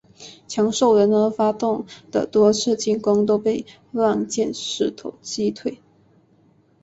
强兽人发动的多次进攻都被乱箭石头击退。